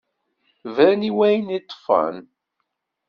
Bran i wayen i ṭṭfen.